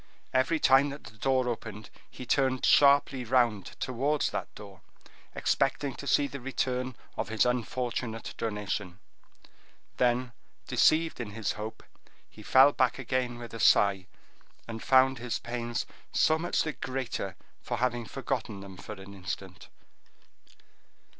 Every time that the door opened, he turned sharply round towards that door, expecting to see the return of his unfortunate donation; then, deceived in his hope, he fell back again with a sigh, and found his pains so much the greater for having forgotten them for an instant.